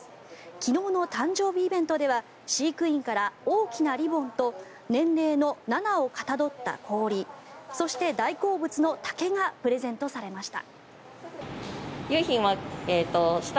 昨日の誕生日イベントでは飼育員から大きなリボンと年齢の７をかたどった氷そして、大好物の竹がプレゼントされました。